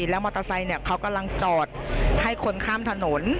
แล้วมอเตอร์ไซค์เขากำลังจอดให้คนข้ามถนน